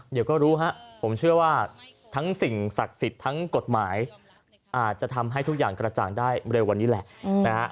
เดี๋ยวก็รู้ฮะผมเชื่อว่าทั้งสิ่งศักดิ์สิทธิ์ทั้งกฎหมายอาจจะทำให้ทุกอย่างกระจ่างได้เร็ววันนี้แหละนะฮะ